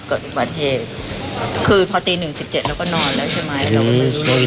เกิดบัตรเหตุคือพอตีหนึ่งสิบเจ็ดเราก็นอนแล้วใช่ไหม